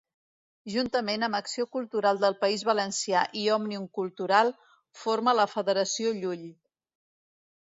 Juntament amb Acció Cultural del País Valencià i Òmnium Cultural forma la Federació Llull.